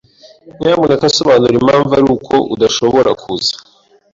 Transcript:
Nyamuneka sobanura impamvu ari uko udashobora kuza.